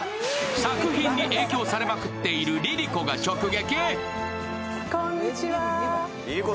作品に影響されまくっているＬｉＬｉＣｏが直撃！